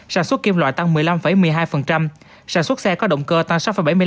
sản xuất kim loại tăng một mươi năm một mươi hai sản xuất xe có động cơ tăng sáu bảy mươi năm